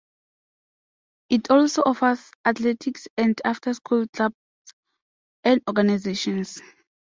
It also offers athletics and after-school clubs and organizations.